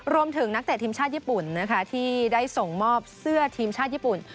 นักเตะทีมชาติญี่ปุ่นนะคะที่ได้ส่งมอบเสื้อทีมชาติญี่ปุ่น